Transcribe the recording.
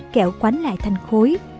kẹo quánh lại thành khối